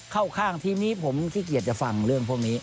เข้าข้างทีมนี้ผมขี้เกียจจะฟังเรื่องพวกนี้